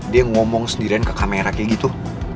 dia ngomong sendirian ke kamera kayak gitu